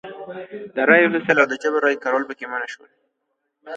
د رایو اخیستل او د جبري رایې کارول پکې منع شول.